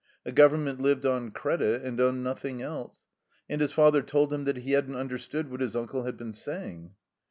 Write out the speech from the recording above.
A Government lived on credit and on nothing else. And his father told him that he hadn't tmderstood what his imcle had been saying.